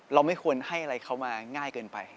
ไม่ควรให้อะไรเขามาง่ายเกินไป